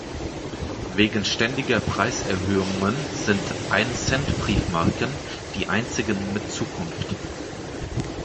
Wegen ständiger Preiserhöhungen sind Ein-Cent-Briefmarken die einzigen mit Zukunft.